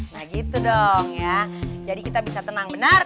nah gitu dong ya jadi kita bisa tenang benar